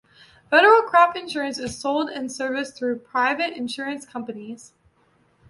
Federal crop insurance is sold and serviced through private insurance companies.